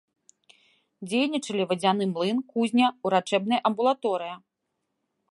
Дзейнічалі вадзяны млын, кузня, урачэбная амбулаторыя.